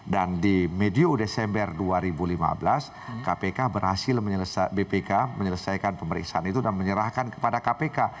dan di mediu desember dua ribu lima belas bpk berhasil menyelesaikan pemeriksaan itu dan menyerahkan kepada kpk